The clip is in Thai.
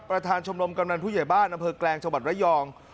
ชมรมกำนันผู้ใหญ่บ้านอำเภอแกลงจังหวัดระยอง